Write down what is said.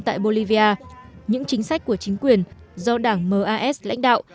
tại bolivia những chính sách của chính quyền do đảng mas lãnh đạo